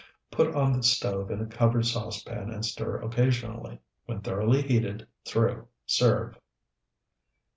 Put on the stove in a covered saucepan, and stir occasionally. When thoroughly heated through, serve.